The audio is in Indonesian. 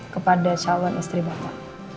kepada calon istri bapak